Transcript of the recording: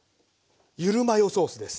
ゆるマヨソースです。